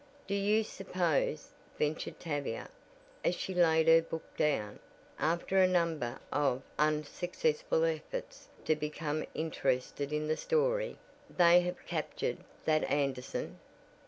"Do you suppose," ventured Tavia, as she laid her book down, after a number of unsuccessful efforts to become interested in the story, "they have captured that Anderson?"